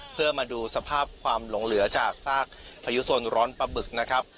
เพื่อมาดูสภาพความหลงเหลือจากสร้างพยุงส่วนศนร้อนปะบึกนะครับ